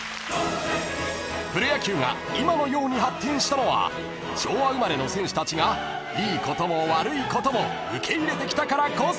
［プロ野球が今のように発展したのは昭和生まれの選手たちがいいことも悪いことも受け入れてきたからこそ］